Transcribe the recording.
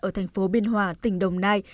ở thành phố biên hòa tỉnh đồng nai